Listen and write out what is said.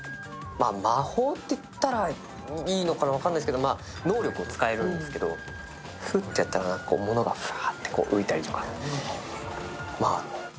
魔法って言ったらいいのか分かんないですけど能力を使えるんですけど、フーってやったら、物がふわっと浮いたりとか。